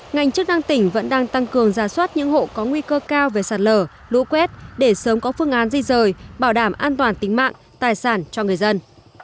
ngành chức năng tỉnh vẫn đang tăng cường ra soát những hộ có nguy cơ cao về sạt lở lũ quét để sớm có phương án di rời bảo đảm an toàn tính mạng tài sản cho người dân